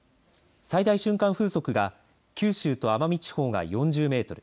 最大瞬間風速が九州と奄美地方が４０メートル